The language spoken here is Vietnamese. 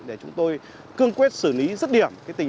để chúng tôi cương quyết xử lý rất điểm